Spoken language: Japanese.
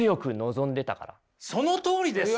そのとおりですよ！